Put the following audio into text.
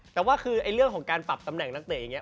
แต่ว่าคือเรื่องของการปรับตำแหน่งนักเตะอย่างนี้